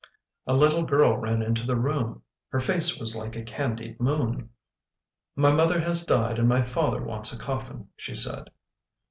A little girl ran into the room. Her face was like a candied moon. " My mother has died and my father wants a coffin/' she said.